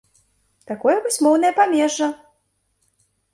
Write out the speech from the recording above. Такое вось моўнае памежжа!